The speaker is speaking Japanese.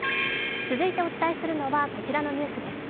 続いてお伝えするのは、こちらのニュースです。